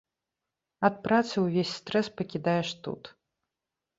Ад працы ўвесь стрэс пакідаеш тут.